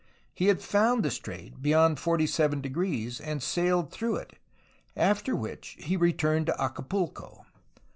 He had found the strait beyond 47°, and sailed through it, after which he re turned to Acapulco.